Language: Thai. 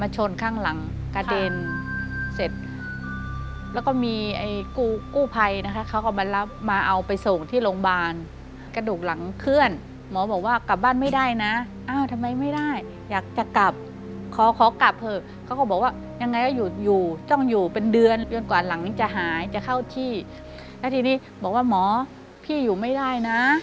จะเข้าที่แล้วทีนี้บอกว่าหมอพี่อยู่ไม่ได้นะ